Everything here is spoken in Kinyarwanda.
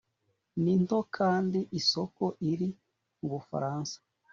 ni nto, kandi isoko iri mu bufaransa